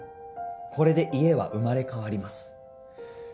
これで家は生まれ変わります。